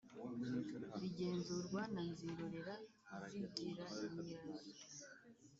bigenzurwa na nzirorera zigiranyirazo